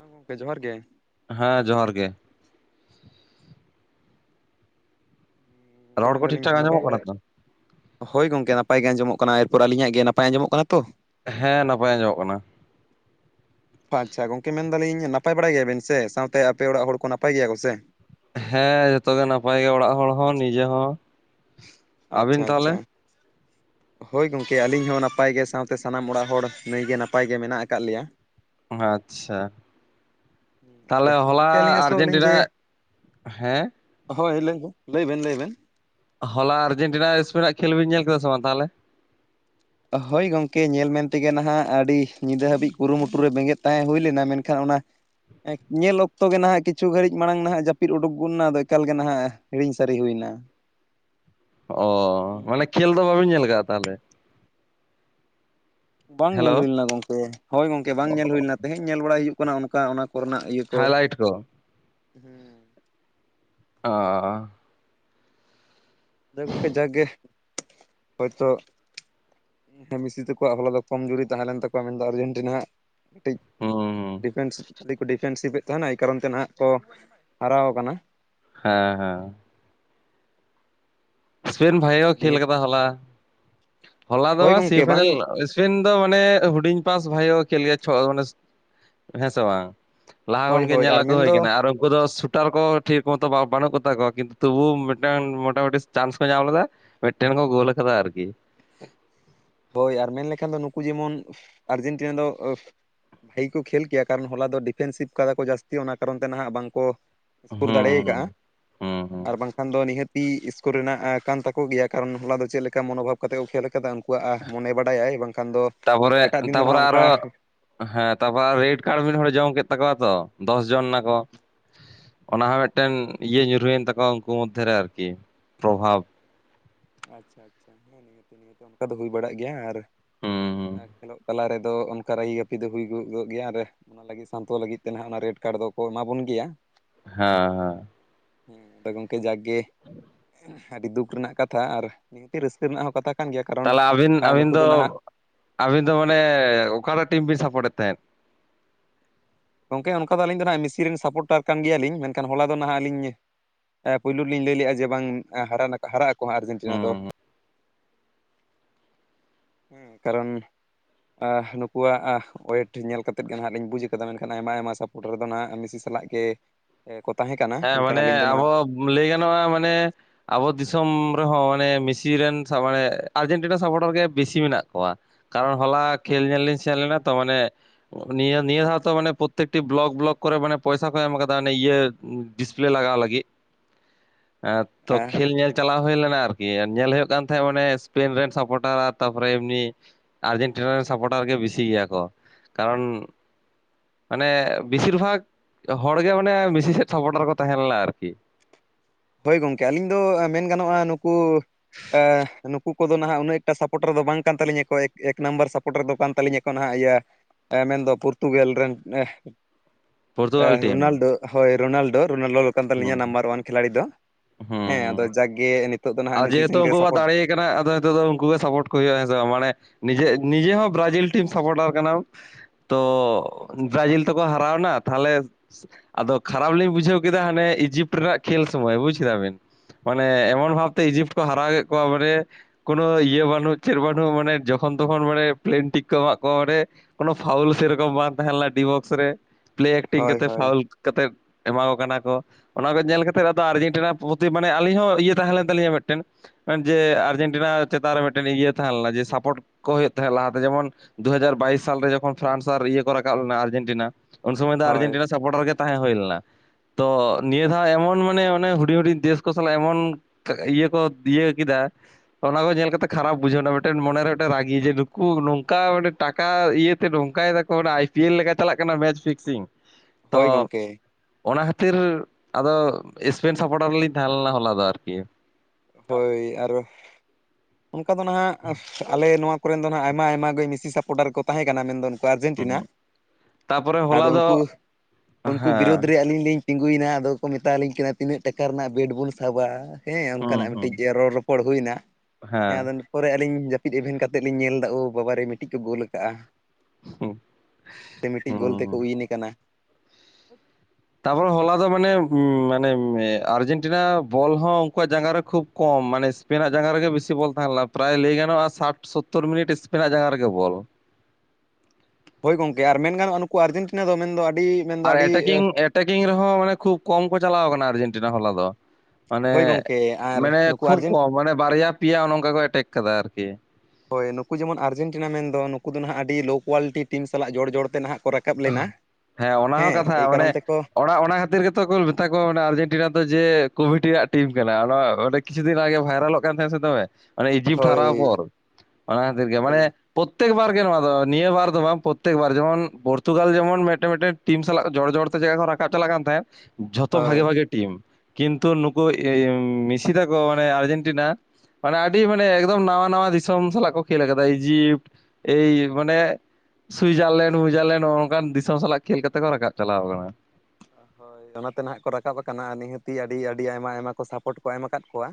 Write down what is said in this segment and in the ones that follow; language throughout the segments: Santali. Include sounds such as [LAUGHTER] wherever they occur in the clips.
ᱦᱮᱸ ᱜᱚᱝᱠᱮ ᱡᱚᱦᱟᱨ ᱜᱮ᱾ ᱦᱮᱸ ᱡᱚᱦᱟᱨ ᱜᱮ᱾ ᱜᱚᱝᱠᱮ ᱨᱚᱲ ᱠᱚ ᱴᱷᱤᱠ ᱢᱮᱱᱫᱟᱞᱤᱧ ᱴᱷᱟᱠ ᱱᱟᱯᱟᱭ ᱟᱸᱡᱚᱢᱚᱜ ᱠᱟᱱᱟ ᱵᱟᱲᱟ ᱛᱚ? ᱦᱳᱭ ᱜᱚᱝᱠᱮ ᱱᱟᱯᱟᱭ ᱜᱮ ᱟᱸᱡᱚᱢ ᱠᱟᱱᱟ᱾ ᱮᱨᱯᱚᱨ ᱟᱹᱞᱤᱧᱟᱜ ᱜᱮ ᱱᱟᱯᱟᱭ ᱟᱸᱡᱚᱢᱚᱜ ᱠᱟᱱᱟ ᱛᱚ? ᱦᱮᱸ ᱱᱟᱯᱟᱭ ᱟᱸᱡᱚᱜ ᱠᱟᱱᱟ᱾ ᱚ ᱟᱪᱪᱷᱟ ᱜᱚᱝᱠᱮ ᱢᱮᱱᱫᱟᱞᱤᱧ ᱱᱟᱯᱟᱭ ᱵᱟᱲᱟᱭ ᱜᱮᱭᱟᱵᱮᱱ ᱥᱮ ᱥᱟᱶᱛᱮ ᱟᱯᱮ ᱚᱲᱟᱜ ᱦᱚᱲ ᱠᱚ ᱱᱟᱯᱟᱭ ᱜᱮᱭᱟ ᱠᱚ ᱥᱮ? ᱦᱮᱸ ᱡᱚᱛᱚ ᱜᱮ ᱱᱟᱯᱟᱭ ᱜᱮ ᱚᱲᱟᱜ ᱦᱚᱲ ᱦᱚᱸ ᱱᱤᱡᱮ ᱦᱚᱸ᱾ ᱟᱪᱪᱷᱟ ᱟᱹᱵᱤᱱ ᱛᱟᱦᱚᱞᱮ ᱟᱪᱪᱷᱟ᱾ ᱦᱳᱭ ᱜᱚᱢᱠᱮ ᱟᱹᱞᱤᱧ ᱦᱚᱸ ᱱᱟᱯᱟᱭ ᱜᱮ ᱥᱟᱶᱛᱮ ᱥᱟᱱᱟᱢ ᱚᱲᱟᱜ ᱦᱚᱲ ᱱᱟᱹᱭᱜᱮ ᱱᱟᱯᱟᱭ ᱜᱮ ᱢᱮᱱᱟᱜ ᱟᱠᱟᱫ ᱞᱮᱭᱟ ᱾ ᱟᱪᱪᱷᱟ᱾ ᱛᱟᱦᱚᱞᱮ ᱟᱨ ᱦᱚᱞᱟ ᱜᱚᱝᱠᱮ ᱟᱹᱞᱤᱧ ᱟᱥᱚᱜ ᱟᱹᱞᱤᱧ ᱟᱨᱡᱮᱱᱴᱤᱱᱟ ᱡᱮ ᱦᱮᱸ, ᱦᱳᱭ ᱞᱟᱹᱭᱵᱮᱱ ᱞᱟᱹᱭᱵᱮᱱ ᱞᱟᱹᱭᱵᱮᱱ᱾ ᱦᱚᱞᱟ ᱟᱨᱡᱮᱱᱴᱤᱱᱟ ᱮᱥᱯᱮᱱ ᱱᱟᱜ ᱠᱷᱮᱞ ᱵᱮᱱ ᱧᱮᱞ ᱠᱮᱫᱟ ᱥᱮ ᱵᱟᱝ ᱛᱟᱦᱚᱞᱮ? ᱦᱚᱭ ᱜᱚᱢᱠᱮ ᱧᱮᱞ ᱢᱮᱱ ᱛᱮᱜᱮ ᱱᱟᱦᱟᱜ ᱟᱹᱰᱤ ᱧᱤᱫᱟᱹ ᱦᱟᱹᱵᱤᱡ ᱠᱩᱨᱩᱢᱩᱴᱩ ᱨᱮ ᱵᱮᱸᱜᱮᱫ ᱛᱟᱦᱮᱸ ᱦᱩᱭ ᱞᱮᱱᱟ᱾ ᱢᱮᱱᱠᱷᱟᱱ ᱚᱱᱟ ᱧᱮᱞ ᱚᱠᱛᱚ ᱜᱮ ᱱᱟᱦᱟᱜ ᱠᱤᱪᱷᱩ ᱜᱷᱟᱹᱲᱤᱡ ᱢᱟᱲᱟᱝ ᱱᱟᱦᱟᱜ ᱡᱟᱹᱯᱤᱫ ᱩᱰᱩᱠ ᱜᱚᱫᱱᱟ ᱟᱫᱚ ᱮᱠᱟᱞ ᱜᱮ ᱱᱟᱦᱟᱜ ᱦᱤᱲᱤᱧ ᱥᱟᱹᱨᱤ ᱦᱩᱭᱱᱟ᱾ ᱚ ᱦᱩᱸ ᱢᱟᱱᱮ ᱠᱷᱮᱞ ᱫᱚ ᱵᱟᱵᱤᱱ ᱧᱮᱞ ᱠᱟᱜᱼᱟ ᱛᱟᱦᱚᱞᱮ? ᱵᱟᱝ ᱦᱮᱞᱳ ᱧᱮᱞ ᱦᱩᱭ ᱞᱮᱱᱟ ᱜᱚᱝᱠᱮ᱾ ᱦᱳᱭ ᱜᱚᱝᱠᱮ ᱵᱟᱝ ᱧᱮᱞ ᱦᱩᱭ ᱞᱮᱱᱟ ᱛᱮᱦᱮᱧ ᱧᱮᱞ ᱵᱟᱲᱟ ᱦᱩᱭᱩᱜ ᱠᱟᱱᱟ ᱚᱱᱠᱟ ᱚᱱᱟ ᱠᱚᱨᱮᱱᱟᱜ ᱤᱭᱟᱹ ᱠᱚ ᱦᱟᱭᱞᱟᱭᱤᱴ ᱠᱚ ᱦᱩᱸ ᱚ [UNINTELLIGIBLE] ᱟᱫᱚ ᱜᱚᱢᱠᱮ ᱡᱟᱠᱜᱮ ᱦᱚᱭ ᱛᱳᱜ᱾ ᱦᱮᱸ ᱢᱮᱥᱤ ᱛᱟᱠᱚᱣᱟᱜ ᱦᱚᱞᱟ ᱫᱚ ᱠᱚᱢ ᱡᱩᱨᱤ ᱛᱟᱦᱮᱸ ᱞᱮᱱ ᱛᱟᱠᱚᱣᱟ ᱢᱮᱱᱫᱚ ᱟᱨᱡᱮᱱᱴᱤᱱᱟᱜ ᱾ ᱠᱟᱹᱴᱤᱡ ᱦᱩᱸ ᱦᱩᱸ ᱰᱤᱯᱷᱮᱱᱥ ᱟᱹᱰᱤ ᱠᱚ ᱰᱤᱯᱷᱮᱱᱥᱤ ᱠᱮ ᱛᱟᱦᱮᱱᱟᱜ ᱮᱭ ᱠᱟᱨᱚᱱ ᱛᱮ ᱱᱟᱦᱟᱜ ᱠᱚ ᱦᱟᱨᱟᱣ ᱠᱟᱱᱟ᱾ ᱦᱮᱸ ᱦᱮᱸ᱾ ᱮᱥᱯᱮᱱ ᱵᱷᱟᱜᱮ ᱠᱚ ᱠᱷᱮᱞ ᱱᱤᱦᱟᱹᱛ ᱠᱟᱫᱟ ᱦᱚᱞᱟ ᱦᱚᱞᱟ ᱫᱚ ᱦᱳᱭ ᱜᱚᱝᱠᱮ ᱥᱮᱢᱤ ᱵᱟᱝ ᱯᱷᱟᱭᱱᱟᱞ ᱥᱯᱮᱱ ᱫᱚ ᱢᱟᱱᱮ ᱦᱩᱰᱤᱧ ᱯᱟᱥ ᱵᱷᱟᱜᱮ ᱠᱚ ᱠᱷᱮᱞ ᱜᱮᱭᱟ ᱪᱷᱚ ᱢᱟᱱᱮ ᱦᱮᱸᱥᱮ ᱵᱟᱝ, ᱞᱟᱦᱟ ᱦᱳᱭ ᱠᱷᱚᱱ ᱜᱮ ᱦᱳᱭ ᱧᱮᱞ ᱟᱨ ᱟᱹᱜᱩ ᱦᱩᱭ ᱢᱮᱱᱫᱚ ᱟᱠᱟᱱᱟ ᱟᱨ ᱩᱱᱠᱩ ᱫᱚ ᱥᱩᱴᱟᱨ ᱠᱚ ᱴᱷᱤᱠ ᱢᱚᱛᱚ ᱵᱟᱹᱱᱩᱜ ᱠᱚᱛᱟ ᱠᱚᱣᱟ ᱠᱤᱱᱛᱩ ᱛᱚᱵᱩᱳ ᱢᱤᱫᱴᱟᱝ ᱢᱚᱴᱟᱢᱩᱴᱤ ᱪᱟᱱᱥ ᱠᱚ ᱧᱟᱢ ᱞᱮᱫᱟ ᱢᱤᱫᱴᱮᱱ ᱠᱚ ᱜᱳᱞ ᱠᱟᱫᱟ ᱟᱨᱠᱤ᱾ ᱦᱳᱭ ᱟᱨ ᱢᱮᱱ ᱞᱮᱠᱷᱟᱱ ᱫᱚ ᱱᱩᱠᱩ ᱡᱮᱢᱚᱱ ᱟᱨᱡᱮᱱᱴᱤᱱᱟ ᱫᱚ ᱵᱷᱟᱹᱜᱤ ᱠᱚ ᱠᱷᱮᱞ ᱠᱮᱭᱟ ᱠᱟᱨᱚᱱ ᱦᱚᱞᱟ ᱫᱚ ᱰᱤᱯᱷᱮᱱᱥᱤᱵᱽ ᱠᱟᱫᱟ ᱠᱚ ᱡᱟᱹᱥᱛᱤ ᱚᱱᱟ ᱠᱟᱨᱚᱱ ᱛᱮ ᱱᱟᱦᱟᱜ ᱵᱟᱝᱠᱚ, ᱮᱥᱠᱳᱨ ᱦᱩᱸ ᱫᱟᱲᱮ ᱦᱩᱸ ᱠᱟᱜᱼᱟ᱾ ᱦᱩᱸ ᱦᱩᱸ ᱟᱨ ᱵᱟᱝᱠᱷᱟᱱ ᱫᱚ ᱱᱤᱦᱟᱹᱛᱤ ᱤᱥᱠᱩᱨ ᱨᱮᱱᱟᱜ ᱠᱟᱱ ᱛᱟᱠᱚ ᱜᱮᱭᱟ ᱠᱟᱨᱚᱱ ᱦᱚᱞᱟ ᱫᱚ ᱪᱮᱫ ᱞᱮᱠᱟ ᱢᱚᱱᱳ ᱵᱷᱟᱵ ᱠᱟᱛᱮ ᱠᱚ ᱠᱷᱮᱞ ᱠᱟᱫᱟ ᱩᱱᱠᱩ ᱟᱜ ᱢᱚᱱᱮ ᱵᱟᱰᱟᱭᱟᱭ ᱵᱟᱝᱠᱷᱟᱱ ᱫᱚ ᱛᱟᱯᱚᱨᱮ ᱮᱴᱟᱜ ᱫᱤᱱ ᱫᱚ ᱛᱟᱯᱚᱨᱮ ᱱᱟᱦᱟᱜ ᱟᱨᱚ ᱚᱱᱠᱟ- ᱦᱮᱸ ᱛᱟᱨᱯᱚᱨ ᱨᱮᱰ ᱦᱩᱸ ᱠᱟᱨᱰ ᱢᱤᱫ ᱦᱚᱲᱮ ᱡᱚᱢ ᱠᱮᱫ ᱛᱟᱠᱚᱣᱟ ᱛᱚ ᱫᱚᱥ ᱡᱚᱱ ᱱᱟ ᱠᱚ᱾ ᱚᱱᱟ ᱦᱚᱸ ᱢᱮᱫᱴᱮᱱ ᱤᱭᱟᱹ ᱧᱩᱨᱦᱩᱭᱮᱱ ᱛᱟᱠᱚᱣᱟ ᱩᱱᱠᱩ ᱢᱚᱫᱽᱫᱷᱮ ᱨᱮ ᱟᱨᱠᱤ ᱯᱨᱚᱵᱷᱟᱵᱽ᱾ ᱟᱪᱪᱷᱟ ᱟᱪᱪᱷᱟ ᱦᱮᱸ ᱱᱤᱭᱟᱹ ᱛᱮᱜᱮ ᱚᱱᱠᱟ ᱫᱚ ᱦᱩᱭ ᱵᱟᱲᱟᱜ ᱜᱮᱭᱟ ᱟᱨ- ᱦᱩᱸ ᱦᱮᱸ ᱠᱷᱮᱞᱳᱜ ᱛᱟᱞᱟ ᱨᱮᱫᱚ ᱚᱱᱠᱟ ᱨᱟᱹᱜᱤᱭᱟᱹ᱾ ᱦᱳᱭ ᱫᱚ ᱦᱩᱭ ᱜᱚᱫᱚᱜ ᱜᱮᱭᱟ ᱟᱨ ᱚᱱᱟ ᱞᱟᱹᱜᱤᱫ ᱥᱟᱱᱛᱚ ᱞᱟᱹᱜᱤᱫ ᱛᱮ ᱦᱟᱜ ᱚᱱᱟ ᱨᱮᱰ ᱠᱟᱨᱰ ᱫᱚᱠᱚ ᱮᱢᱟ ᱵᱚᱱ ᱜᱮᱭᱟ᱾ ᱦᱮᱸ ᱦᱮᱸ ᱦᱳᱭ ᱟᱫᱚ ᱜᱚᱝᱠᱮ ᱡᱟᱜ ᱜᱮ ᱟᱹᱰᱤ ᱫᱩᱠ ᱨᱮᱱᱟᱜ ᱠᱟ- ᱛᱷᱟ ᱟᱨ ᱜᱚᱝᱠᱮ ᱨᱟᱹᱥᱠᱟᱹ ᱨᱮᱱᱟᱜ ᱦᱚᱸ ᱠᱟᱛᱷᱟ- ᱠᱟᱨᱚᱱ ᱛᱟᱦᱚᱞᱮ ᱟᱹᱵᱤᱱ ᱟᱨ ᱟᱹᱵᱤᱱ ᱱᱩᱠᱩ ᱫᱚ ᱱᱟᱦᱟᱜ ᱟᱹᱵᱤᱱ ᱫᱚ ᱢᱟᱱᱮ ᱚᱠᱟ ᱫᱚ ᱴᱤᱢ ᱵᱤᱱ ᱥᱟᱯᱳᱨᱴ ᱮᱫ ᱛᱟᱦᱮᱸᱫ? ᱜᱚᱝᱠᱮ ᱚᱱᱠᱟ ᱫᱚ ᱟᱹᱞᱤᱧ ᱫᱚ ᱱᱟᱜ ᱢᱤᱥᱤ ᱨᱮᱱ ᱥᱟᱯᱳᱴᱟᱨ ᱠᱟᱱ ᱜᱮᱭᱟᱞᱤᱧ ᱢᱮᱱᱠᱷᱟᱱ ᱦᱚᱞᱟ ᱫᱚ ᱱᱟᱦᱟᱜ ᱟᱹᱞᱤᱧ- ᱯᱳᱭᱞᱳ ᱞᱤᱧ ᱞᱟᱹᱭ ᱞᱮᱜ-ᱟ ᱡᱮ ᱵᱟᱝ ᱦᱟᱨᱟ ᱦᱟᱨᱟᱜ ᱟᱠᱚ ᱦᱟᱸᱜ ᱟᱨᱡᱮᱱᱴᱤᱱᱟ ᱦᱩᱸ ᱫᱚ᱾ [UNINTELLIGIBLE] ᱦᱩᱸ ᱠᱟᱨᱚᱱ- ᱟᱸᱜ ᱱᱩᱠᱩᱣᱟᱜ ᱟᱸᱜ ᱳᱭᱮᱴ ᱧᱮᱞ ᱠᱟᱛᱮᱫ ᱜᱮ ᱦᱟᱸᱜ ᱞᱤᱧ ᱵᱩᱡᱽ ᱠᱟᱫᱟ ᱢᱮᱱ- ᱟᱭᱢᱟ ᱟᱭᱢᱟ ᱥᱟᱯᱳᱴᱟᱨ ᱫᱚ ᱱᱟᱜ ᱢᱤᱥᱤ ᱥᱟᱞᱟᱜ ᱜᱮ ᱠᱚ ᱛᱟᱦᱮᱸ ᱠᱟᱱᱟ ᱦᱮᱸ ᱢᱮᱱᱠᱷᱟᱱ ᱢᱟᱱᱮ ᱟᱹᱞᱤᱧ ᱫᱚ ᱟᱵᱚ ᱱᱟᱦᱟᱜ- ᱞᱟᱹᱭ ᱜᱟᱱᱚᱜᱼᱟ ᱢᱟᱱᱮ- ᱟᱵᱚ ᱫᱤᱥᱚᱢ ᱨᱮᱦᱚᱸ ᱢᱟᱱᱮ ᱢᱮᱥᱤ ᱨᱤᱱ ᱢᱟᱱᱮ ᱟᱨᱡᱮᱱᱴᱤᱱᱟ ᱥᱟᱯᱚᱴᱟᱨ ᱜᱮ ᱵᱮᱥᱤ ᱢᱮᱱᱟᱜ ᱠᱚᱣᱟ᱾ ᱠᱟᱨᱚᱱ ᱦᱚᱞᱟ ᱠᱷᱮᱞ ᱧᱮᱞ ᱞᱤᱧ ᱥᱮᱱ ᱞᱮᱱᱟ ᱛᱚ ᱢᱟᱱᱮ- ᱱᱤᱭᱟᱹ ᱱᱤᱭᱟᱹ ᱫᱷᱟᱣ ᱛᱚ ᱢᱟᱱᱮ ᱯᱨᱚᱛᱮᱠᱴᱤ ᱵᱞᱚᱠ ᱵᱞᱚᱠ ᱠᱚᱨᱮ ᱢᱟᱱᱮ ᱯᱚᱭᱥᱟ ᱠᱚ ᱮᱢ ᱠᱟᱫᱟ ᱢᱟᱱᱮ ᱤᱭᱟᱹ- ᱰᱤᱥᱯᱞᱮ ᱞᱟᱜᱟᱣ ᱞᱟᱹᱜᱤᱫ ᱛᱚ ᱱᱟᱦᱟᱜ ᱠᱷᱮᱞ ᱧᱮᱞ- ᱪᱟᱞᱟᱣ ᱦᱩᱭ ᱞᱮᱱᱟ ᱟᱨᱠᱤ ᱧᱮᱞ ᱦᱩᱭᱩᱜ ᱠᱟᱱ ᱛᱟᱦᱮᱸᱫ ᱢᱟᱱᱮ ᱥᱯᱮᱱ ᱨᱮᱱ ᱥᱟᱯᱚᱴᱟᱨ ᱟᱨ ᱛᱟᱨ ᱯᱚᱨᱮ ᱮᱢᱱᱤ- ᱟᱨᱡᱮᱱᱴᱤᱱᱟ ᱨᱤᱱ ᱥᱟᱯᱚᱴᱟᱨ ᱜᱮ ᱵᱮᱥᱤ ᱜᱮᱭᱟ ᱠᱚ ᱠᱟᱨᱚᱱ- ᱢᱟᱱᱮ ᱵᱮᱥᱤᱨ ᱵᱷᱟᱜᱽ ᱦᱚᱲᱜᱮ ᱢᱟᱱᱮ ᱢᱤᱥᱤ ᱥᱮᱫ ᱥᱟᱯᱚᱴᱟᱨ ᱠᱚ ᱛᱟᱦᱮᱸ ᱞᱮᱱᱟ ᱟᱨᱠᱤ᱾ ᱦᱳᱭ ᱜᱚᱢᱠᱮ ᱟᱞᱤᱧ ᱫᱚ ᱢᱮᱱ ᱜᱟᱱᱚᱜ-ᱟ ᱱᱩᱠᱩ ᱮ- ᱱᱩᱠᱩ ᱠᱚᱫᱚ ᱱᱟᱦᱟᱜ ᱩᱱᱟᱹᱜ ᱴᱟᱜ ᱥᱟᱯᱚᱴᱟᱨ ᱫᱚ ᱵᱟᱝ ᱠᱟᱱ ᱛᱟᱹᱞᱤᱧᱟ ᱠᱚ ᱮᱠ ᱱᱟᱢᱵᱟᱨ ᱥᱟᱯᱚᱴᱟᱨ ᱫᱚ ᱠᱟᱱ ᱛᱟᱹᱞᱤᱧᱟ ᱠᱚ ᱱᱟᱦᱟᱜ ᱤᱭᱟᱹ- ᱮᱸ ᱢᱮᱱ ᱫᱚ ᱯᱚᱨᱛᱩᱜᱮᱞ ᱨᱮᱱ- ᱯᱚᱨᱛᱩᱜᱟᱞ ᱴᱤᱢ ᱨᱳᱱᱟᱞᱰᱳ ᱦᱳᱭ ᱨᱳᱱᱟᱞᱰᱳ ᱨᱳᱱᱟᱞᱰᱳ ᱞᱮᱠᱟᱱ ᱛᱟᱹᱞᱤᱧᱟᱹ ᱦᱩᱸ ᱱᱟᱢᱵᱟᱨ ᱚᱣᱟᱱ ᱠᱷᱤᱞᱟᱲᱤ ᱫᱚ- ᱦᱩᱸ ᱦᱮᱸ ᱟᱫᱚ ᱦᱩᱸ ᱡᱟᱠᱜᱮ ᱱᱤᱛᱚᱜ ᱫᱚ ᱱᱟᱦᱟᱜ ᱟᱨ ᱢᱤᱥᱤ ᱡᱮᱦᱮᱛᱩ ᱥᱮᱱ ᱜᱮ ᱩᱱᱠᱩ ᱠᱚ ᱥᱟᱯᱳᱨᱴ- ᱫᱟᱲᱮᱭ ᱟᱫᱚ ᱱᱤᱛᱚᱜ ᱫᱚ ᱩᱱᱠᱩ ᱜᱮ ᱥᱟᱯᱚᱴ ᱠᱚ ᱦᱩᱭᱩᱜ-ᱟ ᱦᱮᱸᱥᱮ ᱵᱟᱝ ᱢᱟᱱᱮ ᱦᱮᱸ ᱱᱤᱡᱮ ᱱᱤᱡᱮ ᱦᱚᱸ ᱵᱨᱟᱡᱤᱞ ᱴᱤᱢ ᱥᱟᱯᱚᱴᱟᱨ ᱠᱟᱱᱟᱢ ᱛᱚ- ᱟᱪᱪᱷᱟ ᱟᱪᱪᱷᱟ ᱵᱨᱟᱡᱤᱞ ᱛᱚ ᱠᱚ ᱦᱟᱨᱟᱣᱱᱟ ᱛᱟᱦᱚᱞᱮ- ᱟᱫᱚ ᱠᱷᱟᱨᱟᱯ ᱞᱤᱧ ᱵᱩᱡᱷᱟᱹᱣ ᱠᱮᱫᱟ ᱦᱟᱱᱮ ᱤᱡᱤᱯᱴ ᱨᱮᱱᱟᱜ ᱠᱷᱮᱞ ᱥᱚᱢᱚᱭ ᱵᱩᱡ ᱠᱮᱫᱟ ᱵᱤᱱ᱾ ᱢᱟᱱᱮ ᱮᱢᱚᱱ ᱵᱷᱟᱵᱛᱮ ᱤᱡᱤᱯᱴ ᱠᱚ ᱦᱟᱨᱟᱣ ᱠᱮᱫ ᱠᱚᱣᱟ ᱢᱟᱱᱮ- ᱠᱳᱱᱳ ᱤᱭᱟᱹ ᱵᱟᱹᱱᱩᱜ ᱪᱮᱫ ᱵᱟᱱᱩᱜ ᱢᱟᱱᱮ ᱡᱚᱠᱷᱚᱱ ᱛᱚᱠᱷᱚᱱ ᱢᱟᱱᱮ ᱯᱮᱞᱮᱱᱴᱤᱠ ᱠᱚ ᱮᱢᱟᱜ ᱠᱚᱣᱟ ᱢᱟᱱᱮ- ᱠᱚᱱᱚ ᱯᱷᱟᱩᱞ ᱥᱮ ᱨᱚᱠᱚᱢ ᱵᱟᱝ ᱛᱟᱦᱮᱸ ᱞᱮᱱᱟ ᱰᱤ ᱵᱚᱠᱥ ᱯᱮᱞᱮ ᱮᱠᱴᱤᱝ ᱦᱳᱭ ᱠᱟᱛᱮ ᱦᱳᱭ ᱯᱷᱟᱩᱞ᱾ ᱠᱟᱛᱮᱫ ᱮᱢᱟ ᱠᱚ ᱠᱟᱱᱟ ᱠᱚ ᱚᱱᱟ ᱠᱚ ᱧᱮᱞ ᱠᱟᱛᱮᱫ ᱟᱫᱚ ᱟᱨᱡᱮᱱᱴᱤᱱᱟ ᱯᱚᱨᱛᱤ ᱢᱟᱱᱮ ᱟᱞᱤᱧ ᱦᱚᱸ ᱤᱭᱟᱹ ᱛᱟᱦᱮᱸ ᱞᱮᱱ- ᱛᱟᱞᱤᱧ ᱢᱮᱫᱴᱮᱱ ᱡᱮ ᱟᱨᱡᱮᱱᱴᱤᱱᱟ ᱪᱮᱛᱟᱱ ᱨᱮ ᱢᱮᱫᱴᱮᱱ ᱤᱭᱟᱹ ᱛᱟᱦᱮᱸ ᱞᱮᱱᱟ ᱡᱮ ᱥᱟᱯᱚᱴ- ᱠᱚ ᱦᱩᱭᱩᱜ ᱛᱟᱦᱮᱸᱫ ᱞᱟᱦᱟᱛᱮ ᱡᱮᱢᱚᱱ ᱫᱩ ᱦᱟᱡᱟᱨ ᱵᱟᱭᱤᱥ ᱥᱟᱞ ᱨᱮ ᱡᱚᱠᱷᱚᱱ ᱯᱷᱨᱟᱱᱥ ᱟᱨ ᱤᱭᱟᱹ ᱠᱚ ᱨᱟᱠᱟᱵ ᱞᱮᱱᱟ ᱟᱨᱡᱮᱱᱴᱤᱱᱟ᱾ ᱩᱱ ᱥᱚᱢᱚᱭ ᱫᱚ ᱦᱳᱭ ᱟᱨᱡᱮᱱᱴᱤᱱᱟ- ᱥᱟᱯᱚᱴᱟᱨ ᱜᱮ ᱛᱟᱦᱮᱸ ᱦᱩᱭ ᱞᱮᱱᱟ᱾ ᱛᱚ ᱱᱤᱭᱟᱹ ᱫᱷᱟᱣ ᱮᱢᱚᱱ ᱢᱟᱱᱮ ᱚᱱᱮ ᱦᱩᱰᱤᱧ ᱦᱩᱰᱤᱧ ᱫᱮᱥ ᱠᱚ ᱥᱟᱞᱟᱜ ᱮᱢᱚᱱ- ᱤᱭᱟᱹ ᱠᱚ ᱤᱭᱟᱹ ᱠᱮᱫᱟ᱾ ᱚᱱᱟ ᱠᱚ ᱧᱮᱞ ᱠᱟᱛᱮ ᱠᱷᱟᱨᱟᱯ ᱵᱩᱡᱷᱟᱹᱣ ᱮᱱᱟ ᱢᱤᱫᱴᱮᱱ ᱢᱚᱱᱮ ᱨᱮ ᱢᱤᱫᱴᱮᱱ ᱨᱟᱹᱜᱤ ᱡᱮ ᱱᱩᱠᱩ ᱱᱚᱝᱠᱟ ᱢᱟᱱᱮ- ᱴᱟᱠᱟ ᱤᱭᱟᱹᱛᱮ ᱱᱚᱝᱠᱟᱭ ᱫᱟᱠᱚ ᱚᱱᱟ ᱟᱭᱯᱤ ᱮᱞ ᱞᱮᱠᱟ ᱪᱟᱞᱟᱜ ᱠᱟᱱᱟ ᱢᱮᱪ ᱯᱷᱤᱠᱥᱤᱝ᱾ ᱛᱚ ᱦᱳᱭ ᱜᱚᱝᱠᱮ ᱚᱱᱟ ᱠᱷᱟᱹᱛᱤᱨ ᱟᱫᱚ ᱮᱥᱯᱮᱱ ᱥᱟᱯᱚᱴᱟᱨ ᱞᱤᱧᱼᱼ ᱛᱟᱦᱮᱸ ᱞᱮᱱᱟ ᱦᱚᱞᱟ ᱫᱚ ᱟᱨᱠᱤ᱾ ᱦᱳᱭ ᱟᱨ ᱚᱱᱠᱟ ᱫᱚ ᱱᱟᱦᱟᱜ ᱟᱞᱮ ᱱᱚᱣᱟ᱾ ᱠᱚᱨᱮ ᱫᱚ ᱱᱟᱦᱟᱜ ᱟᱭᱢᱟ ᱟᱭᱢᱟ ᱜᱮ ᱢᱤᱠᱥᱤ ᱥᱟᱯᱚᱴᱟᱨ ᱠᱚ ᱛᱟᱦᱮᱸ ᱠᱟᱱᱟ ᱢᱮᱱᱫᱚᱼᱼ ᱟᱨᱡᱮᱱᱴᱤᱱᱟ ᱦᱩᱸ ᱛᱟᱯᱚᱨᱮ ᱦᱚᱞᱟ ᱟᱫᱚ ᱫᱚ ᱩᱱᱠᱩ ᱩᱱᱠᱩ ᱵᱤᱨᱳᱫᱽ ᱦᱮᱸ ᱨᱮ ᱟᱹᱞᱤᱧ ᱞᱤᱧᱼᱼ ᱛᱤᱸᱜᱩᱭᱮᱱᱟ ᱟᱫᱚ ᱠᱚ ᱢᱮᱛᱟ ᱟᱞᱤᱧ ᱠᱟᱱᱟ ᱛᱤᱱᱟᱹᱜ ᱴᱟᱠᱟ ᱨᱮᱱᱟᱜ ᱵᱮᱰ ᱵᱚᱱ ᱥᱟᱵᱟ ᱦᱮᱸ ᱦᱩᱸ ᱚᱱᱠᱟᱱᱟᱜ ᱦᱩᱸ ᱢᱤᱫᱴᱤᱡ ᱨᱚᱲ ᱨᱚᱯᱚᱲᱼᱼ ᱨᱚᱲᱼᱨᱚᱯᱚᱲ ᱦᱩᱭᱮᱱᱟ ᱦᱮᱸ ᱟᱫᱚᱼᱼ ᱯᱚᱨᱮ ᱟᱹᱞᱤᱧ ᱡᱟᱹᱯᱤᱫ ᱮᱵᱷᱮᱱ ᱠᱟᱛᱮᱫ ᱞᱤᱧ ᱧᱮᱞ ᱮᱫᱟ ᱵᱟᱵᱟ ᱨᱮ ᱢᱤᱫᱴᱤᱡ ᱠᱚ ᱜᱳᱞ ᱟᱠᱟᱫᱼᱟ᱾ ᱦᱩᱸ ᱥᱮ ᱢᱤᱫᱴᱤᱡ ᱜᱳᱞ ᱦᱩᱸ ᱛᱮᱠᱚ ᱩᱭᱤᱱ ᱟᱠᱟᱱᱟ᱾ ᱛᱟᱯᱚᱨ ᱦᱚᱞᱟ ᱫᱚ ᱢᱟᱱᱮ ᱢᱟᱱᱮ ᱟᱨᱡᱮᱱᱴᱤᱱᱟ ᱵᱚᱞ ᱦᱚᱸ ᱩᱱᱠᱩᱣᱟᱜ ᱡᱟᱸᱜᱟ ᱨᱮ ᱠᱷᱩᱵ ᱠᱚᱢ ᱢᱟᱱᱮᱼᱼ ᱤᱥᱯᱤᱱᱟᱜ ᱡᱟᱸᱜᱟ ᱨᱮᱜᱮ ᱵᱮᱥᱤ ᱵᱚᱞᱮ ᱛᱟᱦᱮᱸ ᱞᱮᱱᱟ ᱯᱨᱟᱭ ᱞᱟᱹᱭ ᱜᱟᱱᱚᱜᱼᱟ ᱥᱟᱴ ᱥᱳᱛᱚᱨ ᱢᱤᱱᱤᱴ ᱤᱥᱯᱤᱱᱟᱜ ᱡᱟᱸᱜᱟ ᱨᱮᱜᱮ ᱵᱚᱞ᱾ ᱦᱳᱭ ᱜᱚᱝᱠᱮ ᱟᱨ ᱢᱮᱱ ᱜᱟᱱᱚᱜᱼᱟ ᱱᱩᱠᱩ ᱟᱨᱡᱮᱱᱴᱤᱱᱟ ᱫᱚ ᱢᱮᱱᱫᱚ ᱟᱹᱰᱤ᱾ ᱢᱮᱱᱫᱚ ᱟᱨ ᱟᱹᱰᱤ ᱮᱴᱮᱠᱤᱝ ᱮᱴᱮᱠᱤᱝ ᱨᱮᱦᱚᱸ ᱢᱟᱱᱮ ᱠᱷᱩᱵ ᱠᱚᱢ ᱠᱚ ᱪᱟᱞᱟᱣ ᱟᱠᱟᱱᱟ ᱟᱨᱡᱮᱱᱴᱤᱱᱟ ᱦᱚᱞᱟ ᱫᱚ᱾ ᱢᱟᱱᱮ ᱦᱳᱭ ᱜᱚᱝᱠᱮ ᱟᱨ ᱢᱟᱱᱮ ᱱᱩᱠᱩ ᱠᱷᱩᱵ ᱟᱨᱡᱮᱱᱴᱤᱱᱟ ᱠᱚᱢ ᱢᱟᱱᱮ ᱵᱟᱨᱭᱟ ᱯᱮᱭᱟ ᱚᱱᱼᱚᱱᱠᱟ ᱠᱚ ᱮᱴᱮᱠ ᱟᱠᱟᱫᱟ ᱟᱨᱠᱤ᱾ ᱦᱳᱭ ᱱᱩᱠᱩ ᱡᱮᱢᱚᱱ ᱟᱨᱡᱮᱱᱴᱤᱱᱟ ᱢᱮᱱ ᱫᱚ ᱱᱩᱠᱩ ᱫᱚ ᱱᱟᱦᱟᱜ ᱟᱹᱰᱤ ᱞᱳ ᱠᱳᱣᱟᱞᱤᱴᱤ ᱴᱤᱢ ᱥᱟᱞᱟᱜ ᱡᱚᱲ ᱡᱚᱲ ᱛᱮ ᱱᱟᱦᱟᱜ ᱠᱚ ᱨᱟᱠᱟᱵᱼᱼ ᱦᱮᱸ ᱚᱱᱟ ᱦᱚᱸ ᱠᱟᱛᱷᱟ ᱢᱟᱱᱮ ᱛᱮᱠᱚ ᱚᱱᱟ ᱚᱱᱟ ᱠᱷᱟᱹᱛᱤᱨ ᱜᱮᱛᱚᱼᱼ ᱠᱟᱛᱷᱟ ᱠᱚ ᱢᱮᱱ ᱟᱨᱡᱮᱱᱴᱤᱱᱟ ᱫᱚ ᱡᱮ ᱠᱚᱢᱤᱴᱤ ᱨᱮᱭᱟᱜ ᱴᱤᱢ ᱠᱟᱱᱟ ᱚᱸᱰᱮ ᱠᱤᱪᱷᱩ ᱫᱤᱱ ᱟᱜᱮ ᱵᱷᱟᱭᱨᱟᱞᱚᱜ ᱠᱟᱱ ᱛᱟᱦᱮᱸ ᱥᱮ ᱫᱚᱢᱮ᱾ ᱢᱟᱱᱮ ᱤᱡᱤᱯᱴ ᱦᱳᱭ ᱦᱟᱨᱟᱣ ᱯᱚᱨ ᱚᱱᱟ ᱠᱷᱟᱹᱛᱤᱨ ᱜᱮ ᱦᱳᱭ ᱢᱟᱱᱮᱼᱼ ᱯᱨᱚᱛᱮᱠ ᱵᱟᱨ ᱜᱮ ᱱᱚᱣᱟ ᱫᱚ ᱱᱤᱭᱟᱹ ᱵᱟᱨ ᱫᱚ ᱵᱟᱝ ᱯᱨᱚᱛᱮᱠ ᱵᱟᱨ ᱡᱮᱢᱚᱱᱼᱼ ᱯᱩᱨᱛᱩᱜᱟᱞ ᱡᱮᱢᱚᱱ ᱢᱤᱫᱴᱮᱱ ᱢᱤᱫᱴᱮᱱ ᱴᱤᱢ ᱥᱟᱞᱟᱜ ᱡᱚᱲ ᱡᱚᱲ ᱛᱮ ᱡᱟᱭᱜᱟ ᱠᱷᱚᱱ ᱨᱟᱠᱟᱵ ᱪᱟᱞᱟᱜ ᱠᱟᱱ ᱛᱟᱦᱮᱸᱫ ᱡᱷᱚᱛᱚ ᱦᱳᱭ ᱵᱷᱟᱜᱤ ᱵᱷᱟᱜᱤᱼᱼ ᱠᱤᱱᱛᱩ ᱱᱩᱠᱩ ᱢᱤᱥᱨᱟ ᱠᱚ ᱢᱟᱱᱮ ᱟᱡᱮᱱᱴᱤᱱᱟᱼᱼ ᱢᱟᱱᱮ ᱟᱹᱰᱤ ᱢᱟᱱᱮ ᱮᱠᱫᱚᱢ ᱱᱟᱣᱟ ᱱᱟᱣᱟ ᱫᱤᱥᱚᱢ ᱥᱟᱞᱟᱜ ᱠᱚ ᱠᱷᱮᱞ ᱠᱟᱫᱟ ᱤᱡᱤᱯᱴ ᱮ ᱢᱟᱱᱮ ᱥᱩᱭᱡᱟᱨᱞᱮᱸᱰ ᱢᱩᱡᱟᱨᱞᱮᱱᱰ ᱱᱚᱜᱼᱱᱚᱝ ᱠᱟᱱ ᱫᱤᱥᱚᱢ ᱥᱟᱞᱟᱜ ᱠᱷᱮᱞ ᱠᱟᱛᱮ ᱠᱚ ᱨᱟᱠᱟᱵ ᱪᱟᱞᱟᱣ ᱟᱠᱟᱱᱟ᱾ ᱦᱳᱭ ᱚᱱᱟᱛᱮ ᱱᱟᱦᱟᱜ ᱠᱚ ᱨᱟᱠᱟᱵ ᱟᱠᱟᱱᱟ ᱱᱤᱦᱟᱹᱛᱤ ᱟᱹᱰᱤ ᱟᱹᱰᱤ ᱟᱭᱢᱟ ᱟᱭᱢᱟ ᱠᱚ ᱥᱟᱯᱚᱴ ᱠᱚ ᱮᱢ ᱟᱠᱟᱫ ᱠᱚᱣᱟ᱾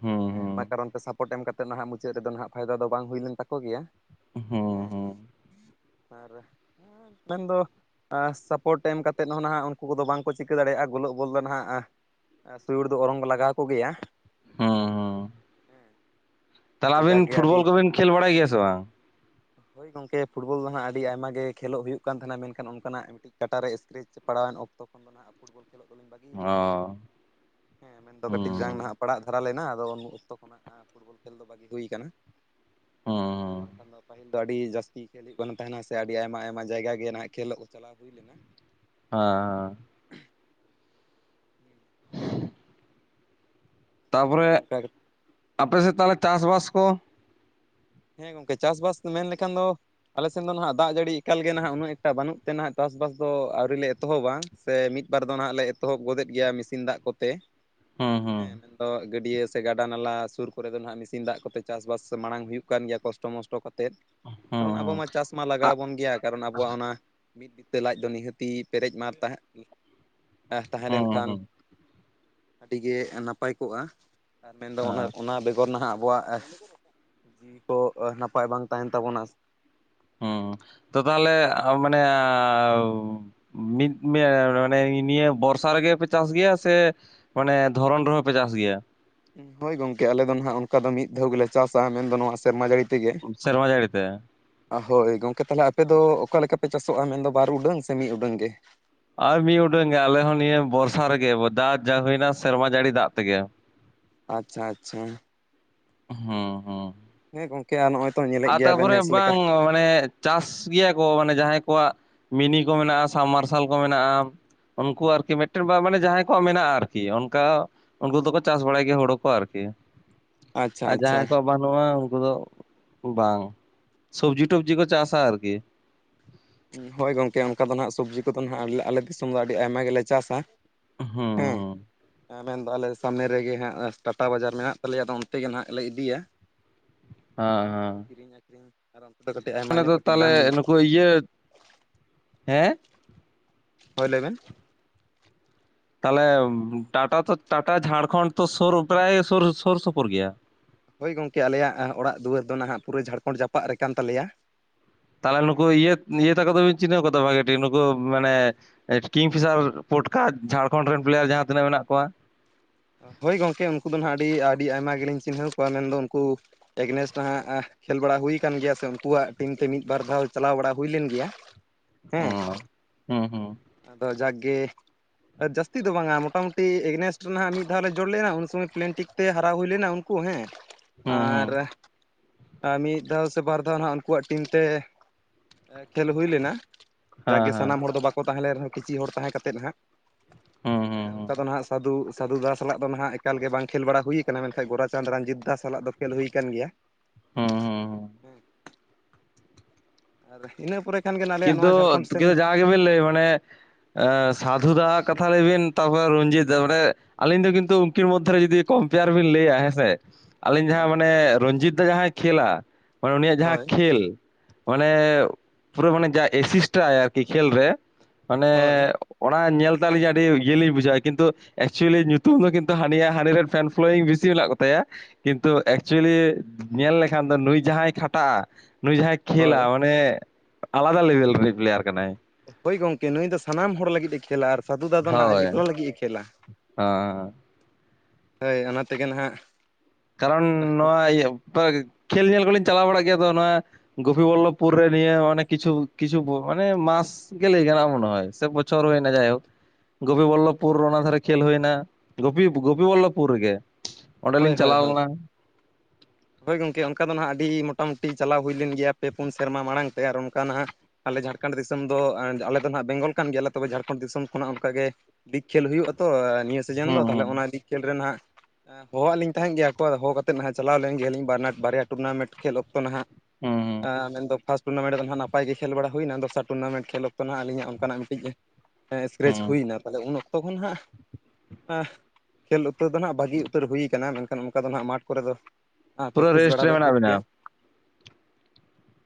ᱦᱩᱸ ᱦᱮᱸ ᱚᱱᱟ ᱦᱩᱸ ᱠᱟᱨᱚᱱ ᱛᱮ ᱥᱟᱯᱳᱨᱴ ᱮᱢ ᱠᱟᱛᱮᱫ ᱱᱟᱦᱟᱜ ᱢᱩᱪᱟᱹᱫ ᱨᱮᱫᱚ ᱦᱟᱸᱜ ᱯᱷᱟᱭᱫᱟ ᱫᱚ ᱵᱟᱝ ᱦᱩᱭ ᱞᱮᱱ ᱛᱟᱠᱚ ᱜᱮᱭᱟ᱾ ᱦᱩᱸ ᱦᱩᱸ ᱦᱮᱸᱼᱼ ᱟᱨ ᱢᱮᱱᱫᱚ ᱥᱟᱯᱳᱨᱴ ᱮᱢ ᱠᱟᱛᱮᱫ ᱦᱚᱸ ᱱᱟᱦᱟᱜᱼᱼ ᱩᱱᱠᱩ ᱠᱚᱫᱚ ᱵᱟᱝᱠᱚ ᱪᱤᱠᱟᱹ ᱫᱟᱲᱮᱭᱟᱜᱼᱟ ᱜᱚᱞᱚᱜ ᱵᱚᱞ ᱫᱚ ᱱᱟᱦᱟᱜ ᱥᱩᱭᱩᱲ ᱫᱚ ᱚᱨᱚᱝ ᱞᱟᱜᱟᱣ ᱟᱠᱚ ᱜᱮᱭᱟ᱾ ᱦᱮᱸ ᱦᱮᱸ ᱦᱮᱸ ᱛᱟᱦᱚᱞᱮ ᱟᱫᱚ ᱟᱵᱤᱱ ᱡᱟᱜᱮ ᱟᱹᱰᱤ ᱯᱷᱩᱴᱵᱚᱞ ᱠᱚᱵᱤᱱ ᱠᱷᱮᱞ ᱵᱟᱲᱟᱭ ᱜᱮᱭᱟ ᱥᱮ ᱵᱟᱝ? ᱦᱳᱭ ᱜᱚᱢᱠᱮ ᱯᱷᱩᱴᱵᱚᱞ ᱫᱚ ᱱᱟᱦᱟᱜ ᱟᱹᱰᱤ ᱟᱭᱢᱟ ᱜᱮ ᱠᱷᱮᱞᱚᱜ ᱦᱩᱭᱩᱜ ᱠᱟᱱ ᱛᱟᱦᱮᱱᱟ ᱢᱮᱱᱠᱷᱟᱱ ᱚᱱᱠᱟᱱᱟᱜᱼᱼ ᱠᱟᱹᱴᱤᱡ ᱠᱟᱴᱟ ᱨᱮ ᱤᱥᱠᱨᱮᱪ ᱯᱟᱲᱟᱣᱮᱱ ᱚᱠᱛᱚ ᱠᱷᱚᱱ ᱫᱚ ᱦᱟᱸᱜ ᱯᱷᱩᱴᱵᱚᱞ ᱠᱷᱮᱞᱳᱜ ᱫᱚᱞᱤᱧ ᱵᱟᱹᱜᱤᱭ ᱚ ᱟᱠᱟᱫᱟ᱾ ᱦᱮᱸ ᱢᱮᱱᱫᱚ ᱦᱩᱸ ᱠᱟᱹᱴᱤᱡ ᱡᱟᱝ ᱦᱩᱸ ᱱᱟᱦ ᱯᱟᱲᱟᱜ ᱫᱷᱟᱨᱟ ᱞᱮᱱᱟ ᱟᱫᱚ ᱩᱱ ᱚᱠᱛᱚ ᱠᱷᱚ ᱜᱮᱱᱟᱜᱼᱼ ᱯᱷᱩᱴᱵᱚᱞ ᱠᱷᱮᱞ ᱫᱚ ᱵᱷᱟᱜᱤ ᱦᱩᱭ ᱟᱠᱟᱱᱟ ᱦᱮᱸ ᱦᱩᱸ ᱵᱟᱝᱠᱷᱟᱱ ᱫᱚ ᱯᱟᱹᱦᱤᱞᱼᱼ ᱟᱹᱰᱤ ᱡᱟᱹᱥᱛᱤ ᱠᱷᱮᱞ ᱦᱩᱭᱩᱜ ᱛᱟᱦᱮᱱᱟ ᱥᱮ ᱟᱹᱰᱤ ᱟᱭᱢᱟᱼ ᱟᱭᱢᱟ ᱡᱟᱭᱜᱟ ᱜᱮ ᱱᱟᱦᱟᱜ ᱠᱷᱮᱞᱳᱜ ᱪᱟᱞᱟᱣ ᱦᱩᱭ ᱞᱮᱱᱟ ᱾ ᱦᱸᱻ [INAUDIBLE] [INAUDIBLE] ᱛᱟᱯᱚᱨᱮ ᱚᱱᱠᱟ ᱟᱯᱮᱥᱮᱫ ᱛᱟᱦᱚᱞᱮ ᱪᱟᱥ ᱵᱟᱥ ᱠᱚᱼᱼ ᱦᱮᱸ ᱜᱚᱝᱠᱮ ᱪᱟᱥᱵᱟᱥ ᱫᱚ ᱢᱮᱱ ᱞᱮᱠᱷᱟᱱ ᱫᱚᱼᱼ ᱟᱞᱮ ᱥᱮᱱ ᱫᱚ ᱱᱟᱦᱟᱜ ᱫᱟᱜ ᱡᱟᱹᱲᱤ ᱮᱠᱟᱞ ᱜᱮ ᱱᱟᱦᱟᱜ ᱩᱱᱟᱹᱜ ᱮᱠᱴᱟ ᱵᱟᱹᱱᱩᱜ ᱛᱮ ᱱᱟᱦᱱᱟᱜ ᱪᱟᱥᱵᱟᱥ ᱫᱚ ᱟᱹᱣᱨᱤᱞᱮ ᱮᱛᱚᱦᱚᱵᱟ᱾ ᱥᱮ ᱢᱤᱫ ᱵᱟᱨ ᱫᱚ ᱱᱟᱦᱟᱜ ᱞᱮ ᱮᱛᱚᱦᱚᱵ ᱜᱚᱫᱮᱫ ᱜᱮᱭᱟ ᱢᱮᱥᱤᱱ ᱫᱟᱜ ᱠᱚᱛᱮ᱾ [INAUDIBLE] ᱦᱮᱸ ᱢᱮᱱᱫᱚ ᱜᱟᱹᱰᱭᱟᱹ ᱥᱮ ᱜᱟᱰᱟ ᱱᱟᱞᱟ ᱥᱩᱨ ᱠᱚᱨᱮ ᱫᱚ ᱱᱟᱜ ᱢᱮᱥᱤᱱ ᱫᱟᱜ ᱠᱚᱛᱮ ᱪᱟᱥᱵᱟᱥ ᱢᱟᱲᱟᱝ ᱦᱩᱭᱩᱜᱼᱼ ᱠᱟᱱ ᱜᱮᱭᱟ ᱠᱚᱥᱴᱚ ᱢᱚᱥᱴᱚ ᱠᱟᱛᱮᱫ ᱦᱩᱸ ᱠᱟᱨᱚᱱ ᱟᱵᱚ ᱦᱩᱸ ᱢᱟ ᱪᱟᱥ ᱢᱟ ᱞᱟᱜᱟᱣ ᱟᱜ ᱵᱚᱱ ᱜᱮᱭᱟ ᱠᱟᱨᱚᱱ ᱟᱵᱚᱣᱟᱜ ᱚᱱᱟ ᱢᱤᱫ ᱵᱤᱛᱟᱹ ᱞᱟᱡ ᱫᱚ ᱱᱤᱦᱟᱹᱛᱤ ᱯᱮᱨᱮᱡ ᱢᱟᱨ ᱛᱟᱸᱦᱮᱸᱫᱼᱼ ᱛᱟᱦᱮᱸ ᱦᱩᱸ ᱞᱮᱱᱠᱷᱟᱱ ᱦᱩᱸ ᱟᱹᱰᱤᱜᱮ ᱱᱟᱯᱟᱭ ᱠᱚᱜᱼᱟ᱾ ᱟᱨ ᱢᱮᱱᱫᱚ ᱚᱱᱟ ᱦᱮᱸ ᱚᱱᱟ ᱵᱮᱜᱚᱨ ᱱᱟᱦᱟᱜ ᱟᱵᱚᱣᱟᱜ ᱡᱤᱣᱤ ᱠᱚ ᱱᱟᱯᱟᱭ ᱵᱟᱝ ᱛᱟᱦᱮᱱ ᱛᱟᱵᱚᱱᱟ᱾ ᱦᱩᱸ ᱛᱚ ᱛᱟᱦᱞᱮ ᱢᱟᱱᱮ ᱢᱤᱫ ᱢᱟᱱᱮ ᱱᱤᱭᱟᱹ ᱵᱚᱨᱥᱟ ᱨᱮᱜᱮ ᱯᱮ ᱪᱟᱥ ᱜᱮᱭᱟ ᱥᱮ? ᱢᱟᱱᱮ ᱫᱷᱚᱨᱚᱱ ᱨᱮᱦᱚᱸ ᱯᱮ ᱪᱟᱥ ᱜᱮᱭᱟ᱾ ᱦᱳᱭ ᱜᱚᱢᱠᱮ ᱟᱞᱮ ᱫᱚ ᱱᱟᱦᱟᱜ ᱚᱱᱠᱟ ᱫᱚ ᱢᱤᱫ ᱫᱷᱟᱣ ᱜᱮᱞᱮ ᱪᱟᱥᱟᱼᱟ ᱢᱮᱱᱫᱚ ᱱᱚᱣᱟ ᱥᱮᱨᱢᱟ ᱡᱟᱹᱲᱤ ᱛᱮᱜᱮ ᱥᱮᱨᱢᱟ ᱡᱟᱹᱲᱤ ᱛᱮ ᱾ ᱦᱳᱭ ᱜᱚᱝᱠᱮ ᱛᱟᱦᱚᱞᱮ ᱟᱯᱮ ᱫᱚ ᱚᱠᱟ ᱞᱮᱠᱟᱯᱮ ᱪᱟᱥᱚᱜᱼᱟ ᱢᱮᱱᱫᱚ ᱵᱟᱨ ᱩᱰᱟᱹᱝ ᱥᱮ ᱢᱤᱫ ᱩᱰᱟᱹᱝ ᱜᱮ? ᱟᱨ ᱢᱤᱫ ᱩᱰᱟᱹᱝ ᱜᱮ ᱟᱞᱮ ᱦᱚᱸ ᱱᱤᱭᱟᱹ ᱵᱚᱨᱥᱟ ᱨᱮᱜᱮ ᱫᱟᱜ ᱡᱟ ᱦᱩᱭᱱᱟ ᱥᱮᱨᱢᱟ ᱡᱟᱹᱲᱤ ᱫᱟᱜ ᱛᱮᱜᱮ᱾ [UNINTELLIGIBLE] ᱟᱪᱪᱷᱟ ᱟᱪᱪᱷᱟ᱾ ᱦᱩᱸ ᱦᱩᱸ᱾ ᱦᱮᱸ ᱜᱚᱝᱠᱮ ᱟᱨ ᱱᱚᱜᱚᱭ ᱛᱚ ᱧᱮᱞᱮᱫ ᱟ ᱜᱮᱭᱟᱵᱮᱱ ᱛᱟᱯᱚᱨᱮ ᱱᱮᱥ ᱞᱮᱠᱟ ᱵᱟᱝ ᱢᱟᱱᱮ ᱪᱟᱥ ᱜᱮᱭᱟ ᱠᱚ ᱢᱟᱱᱮ ᱡᱟᱦᱟᱸᱭ ᱠᱚᱣᱟᱜ ᱢᱤᱱᱤ ᱠᱚ ᱢᱮᱱᱟᱜᱼᱟ ᱥᱟᱵᱽ ᱢᱟᱨᱥᱟᱞ ᱠᱚ ᱢᱮᱱᱟᱜᱼᱟ ᱾ ᱩᱱᱠᱩ ᱟᱨᱠᱤ ᱢᱤᱫᱴᱮᱱ ᱢᱟᱱᱮ ᱡᱟᱦᱟᱸᱭ ᱠᱚᱣᱟᱜ ᱢᱮᱱᱟᱜᱼᱟ ᱟᱨᱠᱤ ᱚᱱᱠᱟ ᱩᱱᱠᱩ ᱫᱚᱠᱚ ᱪᱟᱥ ᱵᱟᱲᱟᱭ ᱜᱮᱭᱟ ᱦᱳᱲᱳ ᱠᱚ ᱟᱨᱠᱤ ᱟᱪᱪᱷᱟ ᱟᱨ ᱟᱪᱪᱷᱟ ᱡᱟᱦᱟᱸᱭ ᱠᱚᱣᱟᱜ ᱵᱟᱹᱱᱩᱜᱼᱟ ᱩᱱᱠᱩ ᱫᱚᱼᱼ ᱵᱟᱝ ᱥᱚᱵᱡᱤ-ᱴᱚᱵᱡᱤ ᱠᱚ ᱪᱟᱥᱟ ᱟᱨᱠᱤ, ᱦᱳᱭ ᱜᱚᱝᱠᱮ ᱚᱱᱠᱟ ᱫᱚ ᱱᱟᱜ ᱥᱚᱵᱽᱡᱤ ᱠᱚᱫᱚ ᱦᱟᱸᱜ ᱟᱞᱮ ᱫᱤᱥᱚᱢ ᱫᱚ ᱟᱹᱰᱤ ᱟᱭᱢᱟ ᱜᱮᱞᱮ ᱪᱟᱥᱟ᱾ ᱦᱩᱸ ᱢᱮᱱᱫᱚ ᱟᱞᱮ ᱥᱟᱢᱱᱮ ᱨᱮᱜᱮ ᱦᱟᱸᱜ ᱴᱟᱴᱟ ᱵᱟᱡᱟᱨ ᱢᱮᱱᱟᱜ ᱛᱟᱞᱮᱭᱟ ᱟᱫᱚ ᱚᱱᱛᱮᱜᱮ ᱱᱟᱦᱟᱜ ᱞᱮ ᱤᱫᱤᱭᱟ᱾ ᱦᱮᱸ ᱦᱮᱸ [UNINTELLIGIBLE] ᱟᱭᱢᱟ ᱚᱱᱟ ᱫᱚ ᱧᱚᱜ ᱠᱟᱹᱴᱤᱡ ᱛᱟᱦᱚᱞᱮ ᱫᱟᱢ ᱱᱩᱠᱩ ᱤᱭᱟᱹ ᱦᱮᱸ ᱦᱳᱭ ᱞᱟᱹᱭᱵᱮᱱ᱾ ᱛᱟᱦᱚᱞᱮ ᱴᱟᱴᱟ ᱛᱚ ᱴᱟᱴᱟ ᱡᱷᱟᱲᱠᱷᱚᱱᱰ ᱛᱚ ᱥᱳᱨ ᱯᱨᱟᱭ ᱥᱨ-ᱥᱳᱯᱳᱨ ᱜᱮᱭᱟ᱾ ᱦᱳᱭ ᱜᱚᱢᱠᱮ ᱟᱞᱮᱭᱟᱜ ᱚᱲᱟᱜ ᱫᱩᱣᱟᱹᱨ ᱫᱚ ᱱᱟᱦᱟᱜ ᱯᱩᱨᱟᱹ ᱡᱷᱟᱲᱠᱷᱚᱸᱰ ᱡᱟᱯᱟᱜ ᱨᱮ ᱠᱟᱱ ᱛᱟᱞᱮᱭᱟ᱾ ᱛᱟᱦᱚᱞᱮ ᱱᱩᱠᱩ ᱦᱮᱸ ᱤᱭᱟᱹ ᱤᱭᱟᱹ ᱛᱟᱠᱚ ᱫᱚᱵᱤᱱ ᱪᱤᱱᱦᱟᱹᱣ ᱠᱚᱣᱟ ᱵᱷᱟᱜᱤ ᱴᱷᱤᱠ ᱱᱩᱠᱩ ᱢᱟᱱᱮ ᱠᱤᱝ ᱯᱷᱤᱥᱟᱨ ᱯᱚᱴᱠᱟ ᱡᱷᱟᱲᱠᱷᱚᱸᱰ ᱨᱮᱱ ᱯᱞᱮᱭᱟᱨ ᱡᱟᱦᱟᱸ ᱛᱤᱱᱟᱹᱜ ᱢᱮᱱᱟᱜ ᱠᱚᱣᱟ᱾ ᱦᱳᱭ ᱜᱚᱝᱠᱮ ᱩᱱᱠᱩ ᱫᱚ ᱦᱟᱸᱜ ᱟᱹᱰᱤ ᱟᱹᱰᱤ ᱟᱭᱢᱟ ᱜᱮᱞᱤᱧ ᱪᱤᱱᱦᱟᱹᱣ ᱠᱚᱣᱟ ᱢᱮᱱᱫᱚ ᱩᱱᱠᱩᱼᱼ ᱮᱜᱽᱱᱮᱥ ᱱᱟᱦᱟᱜ ᱠᱷᱮᱞ ᱵᱟᱲᱟ ᱦᱩᱭ ᱟᱠᱟᱱ ᱜᱮᱭᱟ ᱥᱮ ᱩᱱᱠᱩᱣᱟᱜ ᱴᱤᱢ ᱛᱮ ᱢᱤᱫ ᱵᱟᱨ ᱫᱷᱟᱣ ᱪᱟᱞᱟᱣ ᱵᱟᱲᱟ ᱦᱩᱭ ᱞᱮᱱ ᱜᱮᱭᱟ ᱾ ᱚᱻ ᱦᱮᱸ ᱦᱮᱸ ᱟᱫᱚ ᱡᱟᱜᱠᱜᱮᱼᱼ ᱟᱨ ᱡᱟᱹᱥᱛᱤ ᱫᱚ ᱵᱟᱝᱟ ᱢᱚᱴᱟᱢᱩᱴᱤ ᱮᱜᱽᱱᱮᱥᱴ ᱨᱮ ᱦᱟᱜ ᱢᱤᱫ ᱫᱷᱟᱣ ᱞᱮ ᱡᱚᱲ ᱞᱮᱱᱟ ᱩᱱ ᱥᱚᱢᱚᱭ ᱯᱞᱮᱱᱴᱤᱠ ᱛᱮ ᱦᱟᱨᱟᱣ ᱦᱩᱭ ᱞᱮᱱᱟ ᱩᱱᱠᱩ ᱦᱮᱸ ᱦᱩᱸ ᱦᱩᱸ ᱟᱨ ᱟᱨ ᱢᱤᱫ ᱫᱷᱟᱣ ᱥᱮ ᱵᱟᱨ ᱫᱷᱟᱣ ᱱᱟᱦᱟᱜ ᱩᱱᱠᱩᱣᱟᱜ ᱴᱤᱢ ᱛᱮ ᱠᱷᱮᱞ ᱦᱩᱭ ᱞᱮᱱᱟ᱾ ᱦᱮᱸ ᱡᱟᱜᱠᱜᱮ ᱦᱮᱸ ᱥᱟᱱᱟᱢ ᱦᱚᱲ ᱫᱚ ᱵᱟᱠᱚ ᱛᱟᱦᱮᱸ ᱞᱮᱱ ᱨᱮᱦᱚᱸ ᱠᱤᱪᱷᱤᱩ ᱦᱚᱲ ᱛᱟᱦᱮᱸ ᱠᱟᱛᱮᱫ ᱦᱟᱸᱜ᱾ ᱦᱩᱸ ᱦᱮᱸ ᱦᱩᱸ ᱦᱩᱸ ᱚᱱᱠᱟ ᱫᱚ ᱱᱟᱦᱟᱜ ᱥᱟᱫᱷᱩᱼᱼ ᱥᱟᱫᱷᱩ ᱫᱟ ᱥᱟᱞᱟᱜ ᱫᱚ ᱱᱟᱦᱟᱜ ᱮᱠᱟᱞ ᱜᱮ ᱵᱟᱝ ᱠᱷᱮᱞ ᱵᱟᱲᱟ ᱦᱩᱭᱟ ᱠᱟᱱᱟ ᱢᱮᱱᱠᱷᱟᱱ ᱜᱳᱨᱟᱪᱟᱸᱫᱽ ᱨᱚᱧᱡᱤᱛ ᱫᱟ ᱥᱟᱞᱟᱜ ᱫᱚ ᱠᱷᱮᱞ ᱦᱩᱭ ᱟᱠᱟᱱ ᱜᱮᱭᱟ᱾ ᱦᱩᱸ ᱦᱩᱸ ᱦᱩᱸ ᱟᱫᱚ ᱤᱱᱟᱹ ᱯᱚᱨᱮᱼᱼ ᱠᱷᱟᱱ ᱜᱮ ᱟᱞᱮᱭᱟᱜ ᱠᱤᱱᱛᱩ ᱱᱚᱣᱟ ᱡᱷᱟᱲᱠᱷᱚᱸᱰ ᱥᱮᱱᱼᱼ ᱠᱤᱱᱛᱩ ᱡᱟᱦᱟᱸ ᱜᱮᱵᱤᱱ ᱞᱟᱹᱭ ᱢᱟᱱᱮ ᱥᱟᱫᱷᱩ ᱫᱟ ᱦᱟᱜ ᱠᱟᱛᱷᱟ ᱞᱟᱹᱭ ᱵᱤᱱ ᱛᱟᱨᱯᱚᱨ ᱨᱚᱱᱡᱤᱛ ᱫ ᱢᱟᱱᱮᱼᱼ ᱟᱹᱞᱤᱧ ᱫᱚ ᱠᱤᱱᱛᱩ ᱩᱱᱠᱤᱱ ᱢᱚᱫᱽᱫᱷᱮ ᱨᱮ ᱡᱩᱫᱤ ᱠᱚᱢᱯᱮᱭᱟᱨ ᱵᱤᱱ ᱞᱟᱹᱭᱟ ᱦᱮᱸ ᱥᱮᱼᱼᱼ ᱟᱹᱞᱤᱧ ᱡᱟᱦᱟᱸ ᱦᱳᱭ ᱢᱟᱱᱮ ᱨᱚᱧᱡᱤᱛ ᱫᱟ ᱡᱟᱦᱟᱸᱭ ᱠᱷᱮᱞᱟ ᱢᱟᱱᱮ ᱩᱱᱤᱭᱟᱜ ᱡᱟᱦᱟᱸ ᱦᱳᱭ ᱠᱷᱮᱞᱼᱼᱼ ᱢᱟᱱᱮ ᱯᱩᱨᱟᱹ ᱢᱟᱱᱮ ᱡᱟᱦᱟᱸ ᱮᱥᱤᱥᱴᱟᱭ ᱟᱨᱠᱤ ᱠᱷᱮᱞ ᱨᱮ ᱢᱟᱱᱮᱼᱼᱼ ᱦᱳᱭ ᱚᱱᱟ ᱧᱮᱞᱛᱮ ᱟᱹᱞᱤᱧ ᱟᱹᱰᱤ ᱤᱭᱟᱹᱞᱤᱧ ᱵᱩᱡᱷᱟᱹᱣᱟ ᱠᱤᱱᱛᱩᱼᱼᱼ ᱮᱠᱪᱩᱞᱤ ᱧᱩᱛᱩᱢ ᱫᱚ ᱠᱤᱱᱛᱩ ᱦᱟ. ᱱᱤᱭᱟᱜ ᱦᱟᱱᱤ ᱨᱤᱱ ᱯᱷᱮᱱ ᱯᱷᱳᱞᱳᱭᱤᱝ ᱵᱤᱥᱤ ᱢᱮᱱᱟᱜ ᱠᱚᱛᱟᱭᱟ᱾ ᱠᱤᱱᱛᱩ ᱮᱠᱪᱩᱞᱤ ᱧᱮᱞ ᱞᱮᱠᱷᱟᱱ ᱫᱚ ᱱᱩᱭ ᱡᱟᱦᱟᱸᱭ ᱠᱷᱟᱴᱟᱜᱼᱟ ᱱᱩᱭ ᱡᱟᱦᱟᱸᱭᱼᱼᱼ ᱠᱷᱮᱞᱟ ᱦᱳᱭ ᱢᱟᱱᱮ ᱟᱞᱟᱫᱟ ᱞᱮᱵᱮᱞ ᱨᱮᱱᱤᱡ ᱯᱞᱮᱭᱟᱨ ᱠᱟᱱᱟᱭ᱾ ᱦᱳᱭ ᱜᱚᱝᱠᱮ ᱱᱩᱭ ᱫᱚ ᱥᱟᱱᱟᱢ ᱦᱚᱲ ᱞᱟᱹᱜᱤᱫ ᱮ ᱠᱷᱮᱹᱞᱟ ᱟᱨ ᱥᱟᱹᱫᱷᱩ ᱫᱟ ᱫᱚᱦᱟᱜ ᱟᱡ ᱮᱠᱞᱟ ᱞᱟᱹᱜᱤᱫ ᱮ ᱠᱷᱮᱹᱞᱟ᱾ ᱦᱟ᱾ ᱦᱳᱭ ᱚᱱᱟ ᱛᱮᱜᱮ ᱱᱟᱦᱟᱜ᱾ ᱠᱟᱨᱚᱱ ᱱᱚᱣᱟ ᱤᱭᱟᱹ ᱠᱷᱮᱞ ᱧᱮᱞ ᱠᱚᱞᱤᱧ ᱪᱟᱞᱟᱣ ᱵᱟᱲᱟᱜ ᱜᱮᱭᱟ ᱛᱚ ᱱᱚᱣᱟᱼᱼᱼ ᱜᱩᱯᱤ ᱵᱚᱞᱚᱯᱩᱨ ᱨᱮ ᱱᱤᱭᱟ ᱢᱟᱱᱮ ᱠᱤᱪᱷᱩ ᱠᱤᱪᱷᱩ ᱢᱟᱱᱮ ᱢᱟᱥᱼᱼᱼ ᱜᱮ ᱞᱟᱹᱭ ᱜᱟᱱᱚᱜ ᱟ ᱢᱚᱱᱮ ᱦᱚᱭ ᱥᱮ ᱵᱚᱪᱷᱚᱨ ᱦᱩᱭᱱᱟ ᱡᱟᱭ ᱦᱩᱠ᱾ ᱜᱩᱯᱤ ᱵᱚᱞᱞᱚᱯᱩᱨ ᱨᱮ ᱚᱱᱟ ᱫᱷᱟᱨᱮ ᱠᱷᱮᱞ ᱦᱩᱭᱱᱟ ᱜᱩᱯᱤ ᱜᱩᱯᱤ ᱵᱚᱞᱞᱚᱯᱩᱨ ᱨᱮᱜᱮ᱾ ᱚᱸᱰᱮᱞᱤᱧ ᱦᱳᱭ ᱦᱳᱭ ᱪᱟᱞᱟᱣ ᱦᱳᱭ᱾ ᱞᱮᱱᱟ [INAUDIBLE] ᱦᱳᱭ ᱜᱚᱝᱠᱮ ᱚᱱᱠᱟ ᱫᱚ ᱱᱟᱜ ᱟᱹᱰᱤ ᱢᱚᱴᱟᱢᱩᱴᱤ ᱪᱟᱞᱟᱣ ᱦᱩᱭ ᱞᱮᱱ ᱜᱮᱭᱟ ᱯᱮ ᱯᱩᱱ ᱥᱮᱨᱢᱟ ᱢᱟᱲᱟᱝ ᱛᱮ ᱟᱨ ᱚᱱᱠᱟ ᱱᱟᱦᱟᱜᱼᱼᱼ ᱟᱞᱮ ᱡᱷᱟᱨᱠᱷᱟᱸᱰ ᱫᱤᱥᱚᱢ ᱫᱚ ᱟᱞᱮ ᱫᱚ ᱦᱟᱸᱜ ᱵᱮᱝᱜᱚᱞ ᱠᱟᱱ ᱜᱮᱭᱟᱞᱮ ᱛᱚᱵᱮ ᱡᱷᱟᱨᱠᱷᱚᱸᱰ ᱫᱤᱥᱚᱢ ᱠᱷᱚᱱᱟᱜ ᱚᱱᱠᱟ ᱜᱮᱼᱼᱼ ᱞᱤᱠ ᱠᱷᱮᱞ ᱦᱩᱭᱩᱜ ᱟ ᱛᱚ ᱱᱤᱭᱟᱹ ᱥᱤᱡᱮᱱ ᱫᱚ ᱦᱩᱸ ᱛᱟᱦᱚᱞᱮ ᱦᱩᱸ ᱚᱱᱟ ᱞᱤᱠ ᱠᱷᱮᱞ ᱨᱮᱱᱟᱜᱼᱼᱼ ᱦᱚᱦᱚᱟᱜ ᱞᱤᱧ ᱛᱟᱦᱮᱸᱫ ᱜᱮᱭᱟ ᱠᱚ ᱟᱫᱚ ᱦᱚᱦᱚ ᱠᱟᱛᱮᱫ ᱱᱟᱦᱜ ᱪᱟᱞᱟᱣ ᱞᱮᱱ ᱜᱮᱭᱟᱞᱤᱧ ᱵᱟᱱᱟᱨ ᱵᱟᱨᱭᱟ ᱴᱩᱨᱱᱟᱢᱮᱱᱴ ᱠᱷᱮᱞ ᱚᱠᱛᱚ ᱱᱟᱦᱟᱜ᱾ ᱦᱩᱸ ᱦᱩᱸ᱾ ᱢᱮᱱᱫᱚ ᱯᱷᱟᱥ ᱴᱩᱨᱱᱟᱢᱮᱱᱴ ᱫᱚᱦᱟᱸᱜ ᱱᱟᱯᱟᱭ ᱜᱮ ᱠᱷᱮᱞ ᱵᱟᱲᱟ ᱦᱩᱭᱱᱟ ᱫᱚᱥᱟᱨ ᱴᱩᱨᱱᱟᱢᱮᱱᱴ ᱡᱷᱮᱞ ᱚᱠᱛᱚ ᱱᱟᱦᱟᱜ ᱟ. ᱞᱤᱧᱟᱜ ᱚᱱᱠᱟᱱᱟᱜ ᱢᱤᱫᱤᱡᱼᱼᱼ ᱤᱥᱠᱨᱮᱪ ᱦᱩᱸ ᱦᱩᱭᱱᱟ ᱛᱟᱦᱞᱮ ᱩᱱ ᱚᱠᱛᱚ ᱠᱷᱚᱱ ᱦᱟᱸᱜ ᱠᱷᱮᱞ ᱩᱛᱟᱹᱨ ᱫᱚ ᱦᱜ ᱵᱷᱟᱹᱜᱤᱼᱼᱼ ᱦᱩᱭ ᱟᱠᱟᱱᱟ ᱢᱮᱱᱠᱷᱟᱱ ᱚᱱᱠᱟ ᱫᱚ ᱦᱟᱜ ᱢᱟᱴᱷ ᱠᱚᱨᱮ ᱫᱚᱼᱼᱼ ᱯᱩᱨᱟᱹ ᱨᱮᱥᱴ ᱨᱮ ᱢᱮᱱᱟᱜ ᱵᱤᱱᱟ᱾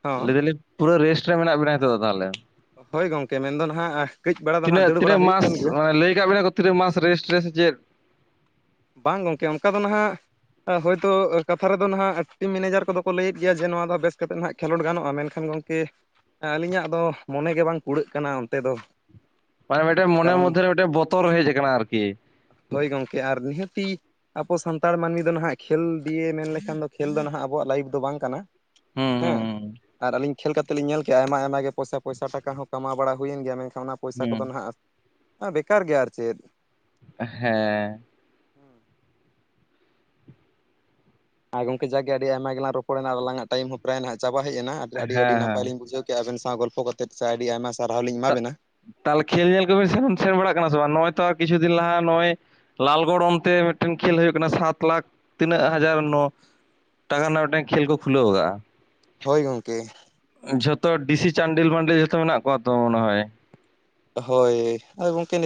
ᱦᱚᱸ ᱞᱟᱹᱭᱫᱟᱞᱤᱧ ᱯᱩᱨᱟᱹ ᱨᱮᱴ ᱨᱮ ᱢᱮᱱᱟᱜ ᱵᱤᱱᱟ ᱱᱤᱛᱚᱜ ᱫᱚ ᱛᱟᱦᱚᱞᱮ? ᱦᱳᱭ ᱜᱚᱝᱠᱮ ᱢᱮᱱ ᱫᱚ ᱱᱟᱦᱟᱜᱼᱼᱼ ᱛᱤᱱᱟᱹᱜ ᱛᱤᱱᱟᱹᱜ ᱢᱟᱥ ᱞᱟᱹᱭ ᱟᱠᱟᱫ ᱵᱤᱱᱟ ᱠᱚ ᱛᱤᱱᱟᱹᱜ ᱢᱟᱥ ᱨᱮᱥᱴ ᱨᱮ ᱥᱮ ᱪᱮᱫ? ᱵᱟᱝ ᱜᱚᱝᱠᱮ ᱚᱱᱠᱟ ᱫᱚ ᱱᱟᱦᱟᱜᱼᱼᱼ ᱦᱳᱭ ᱛᱚ ᱠᱟᱛᱷᱟ ᱨᱮᱫᱚ ᱱᱟᱦᱟᱜ ᱴᱤᱢ ᱢᱮᱱᱮᱡᱟᱨ ᱠᱚᱫᱚ ᱠᱚ ᱞᱟᱹᱭᱮᱫ ᱜᱮᱭᱟ ᱡᱮ ᱱᱚᱣᱟ ᱫᱚ ᱵᱮᱥ ᱠᱟᱛᱮᱫ ᱱᱟᱦᱟᱜᱼᱼᱼ ᱠᱷᱮᱞᱚᱰ ᱜᱟᱱᱚᱜᱼᱟ ᱢᱮᱱᱠᱷᱟᱱ ᱜᱚᱝᱠᱮ ᱟᱹᱞᱤᱧᱟᱜ ᱫᱚ ᱢᱚᱱᱮ ᱜᱮ ᱵᱟᱝ ᱠᱩᱲᱟᱹᱜ ᱠᱟᱱᱟ ᱚᱱᱛᱮ ᱫᱚ᱾ ᱢᱟᱱᱮ ᱢᱤᱫᱴᱟᱝ ᱦᱮᱸ ᱢᱚᱱ ᱠᱟᱨᱚᱱ ᱢᱚᱫᱫᱷᱮ ᱛᱮ ᱢᱤᱫᱴᱟ. ᱝ ᱵᱚᱛᱚᱨ ᱦᱮᱡ ᱟᱠᱟᱱᱟ ᱟᱨᱠᱤ᱾ ᱦᱳᱭ ᱜᱚᱝᱠᱮ ᱟᱨ ᱱᱤᱦᱟᱹᱛᱤᱼᱼᱼ ᱟᱵᱚ ᱥᱟᱱᱛᱟᱲ ᱢᱟᱹᱱᱢᱤ ᱫᱚ ᱱᱟᱦᱟᱜ ᱠᱷᱮᱞ ᱫᱤᱭᱮ ᱢᱮᱱ ᱞᱮᱠᱷᱟᱱ ᱫᱚ ᱠᱷᱮᱞ ᱫᱚ ᱱᱟᱦᱟᱜ ᱟᱵᱚᱣᱟᱜ ᱞᱟᱭᱤᱯᱷ ᱫᱚ ᱵᱟᱝ ᱠᱟᱱᱟ᱾ ᱦᱩᱸ ᱦᱩᱸ ᱦᱚᱸ ᱦᱩᱸ ᱟᱨ ᱟᱹᱞᱤᱧᱼᱼᱼ ᱠᱷᱮᱞ ᱠᱟᱛᱮᱫ ᱞᱤᱧ ᱧᱮᱞ ᱠᱮᱫᱜᱼᱟ ᱟᱭᱢᱟ ᱟᱭᱢᱟ ᱜᱮ ᱯᱚᱭᱥᱟ ᱯᱚᱭᱥᱟ ᱴᱟᱠᱟ ᱦᱚᱸ ᱠᱟᱢᱟᱣ ᱵᱟᱲᱟ ᱦᱩᱭᱮᱱ ᱜᱮᱭᱟ ᱢᱮᱱᱠᱷᱟᱱ ᱚᱱᱟ ᱯᱚᱭᱥᱟ ᱦᱩᱸ ᱠᱚᱫᱚ ᱱᱟᱦᱟᱜᱼᱼᱼ ᱵᱮᱠᱟᱨ ᱜᱮᱭᱟ ᱟᱨ ᱪᱮᱫ᱾ ᱦᱮᱸ᱾ [UNINTELLIGIBLE] ᱟᱨ ᱜᱚᱝᱠᱮ ᱡᱟᱜᱮ ᱟᱹᱰᱤ ᱟᱭᱢᱟ ᱜᱮᱞᱟᱝ ᱨᱚᱯᱚᱲᱮᱱᱟ ᱟᱞᱟᱝᱟᱜ ᱴᱟ. ᱭᱤᱢ ᱦᱚᱸ ᱯᱨᱟᱭ ᱱᱟᱦᱜ ᱪᱟᱵᱟ ᱦᱮᱡ ᱮᱱᱟ ᱦᱮᱸ ᱟᱹᱰᱤ ᱟ. ᱰᱤ ᱦᱮᱸ ᱱᱟᱯᱟᱭ ᱞᱤᱧ ᱵᱩᱡᱷᱟᱹ ᱠᱮᱫᱼᱼᱼ ᱟᱵᱤᱱ ᱥᱟᱶ ᱜᱚᱞᱯᱷᱚ ᱠᱟᱛᱮᱫ ᱥᱮ ᱟᱹᱰᱤ ᱟᱭᱢᱟ ᱥᱟᱨᱦᱟᱣ ᱞᱤᱧ ᱮᱢᱟᱵᱤᱱᱟ᱾ ᱛᱟᱦᱞᱮ ᱠᱷᱮᱞ ᱧᱮᱞ ᱠᱚᱵᱤᱱ ᱥᱮᱱ ᱵᱟᱲᱟᱜ ᱠᱟᱱᱟ ᱥᱮ ᱵᱟᱝ ᱱᱚᱜᱼᱚᱭ ᱛᱚ ᱠᱪᱷᱩ ᱫᱤᱱ ᱞᱟᱦᱟ ᱱᱚᱜᱼᱚᱭᱼᱼᱼ ᱞᱟᱞᱜᱚᱲ ᱚᱱᱛᱮ ᱢᱤᱫᱴᱮᱱ ᱠᱷᱮᱞ ᱦᱩᱭᱩᱜ ᱠᱟᱱᱟ ᱥᱟᱛ ᱞᱟᱠᱷ ᱛᱤᱱᱟᱹᱜ ᱦᱟᱡᱟᱨ ᱱᱚᱼᱼᱼ ᱴᱟᱠᱟ ᱨᱮᱱᱟᱜ ᱢᱤᱫᱴᱟᱝ ᱠᱷᱮᱞ ᱠᱚ ᱠᱷᱩᱞᱟᱹᱣ ᱟᱠᱟᱜᱼᱟ᱾ ᱦᱳᱭ ᱜᱚᱝᱠᱮ᱾ ᱡᱷᱚᱛᱚ ᱰᱤᱥᱤ ᱪᱟᱱᱰᱤᱞ-ᱵᱟᱱᱰᱤᱞ ᱡᱚᱛᱚ ᱢᱮᱱᱟᱜ ᱠᱚᱣᱟ ᱛᱚ ᱢᱚᱱᱮ ᱦᱚᱭ! ᱦᱳᱭ, ᱟᱣᱚ ᱜᱚᱝᱠᱮ ᱱᱤ